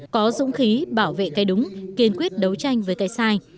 có dũng khí bảo vệ cây đúng kiên quyết đấu tranh với cây sai